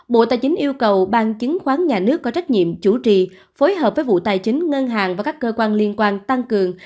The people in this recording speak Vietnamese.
bộ tài chính yêu cầu bang chứng khoán nhà nước có trách nhiệm chủ trì phối hợp với vụ tài chính ngân hàng và các cơ quan liên quan tăng cường